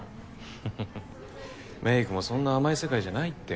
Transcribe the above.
フフフメイクもそんな甘い世界じゃないって。